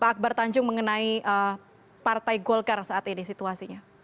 pak akbar tanjung mengenai partai golkar saat ini situasinya